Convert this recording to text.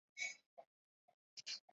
并做出行动